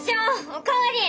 お代わり！